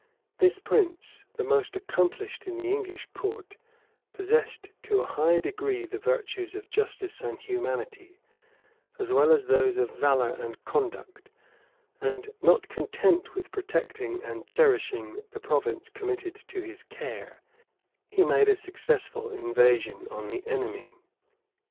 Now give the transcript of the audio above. [*] This prince, the most accomplished in the English court, possessed to a high degree the virtues of justice and humanity, as well as those of valor and conduct;[] and not content with protecting and cherishing the province committed to his care, he made a successful invasion on the enemy.